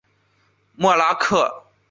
默拉克。